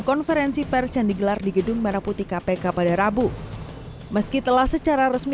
konferensi pers yang digelar di gedung merah putih kpk pada rabu meski telah secara resmi